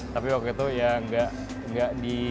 tapi waktu itu ya nggak di